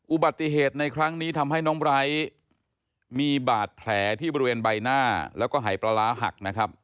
อุบัติเหตุในครั้งนี้ทำให้น้องไบร์ทมีบาดแผลที่บริเวณใบหน้าแล้วก็หายปลาร้าหักนะครับ